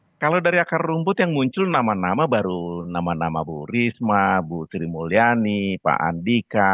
ya kalau dari akar rumput yang muncul nama nama baru nama nama bu risma bu sri mulyani pak andika